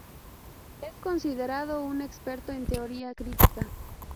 Es considerado un experto en Teoría crítica.